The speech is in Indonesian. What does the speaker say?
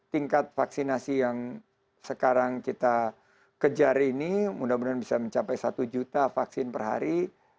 tingkat vaksinasi yang sekarang kita kejar ini mudah mudahan bisa mencapai satu juta vaksin per hari